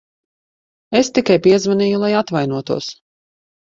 Es tikai piezvanīju, lai atvainotos.